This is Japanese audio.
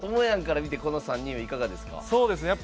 ともやんから見てこの３人はどうですか？